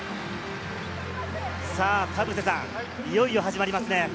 田臥さん、いよいよ始まりますね。